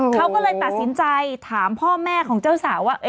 เขาก็เลยตัดสินใจถามพ่อแม่ของเจ้าสาวว่า